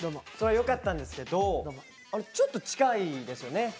それはよかったんですけどちょっと近いですよね